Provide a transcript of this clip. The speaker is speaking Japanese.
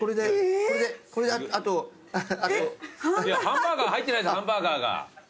ハンバーグが入ってないですよハンバーガーが！